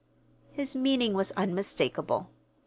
His meaning was unmistakable.